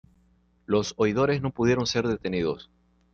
Los oidores no pudieron ser detenidos.